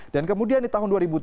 dan kemudian di tahun dua ribu tiga